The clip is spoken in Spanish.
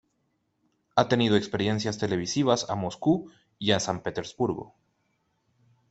Ha tenido experiencias televisivas a Moscú y a San Petersburgo.